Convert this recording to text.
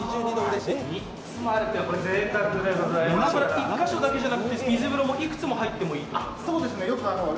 １１か所だけじゃなくて、水風呂もいくつも入っていい？